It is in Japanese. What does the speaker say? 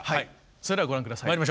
それではご覧下さい。